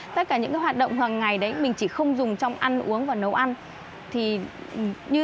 tất cả những hoạt động hàng ngày đấy mình chỉ không dùng trong ăn uống và nấu ăn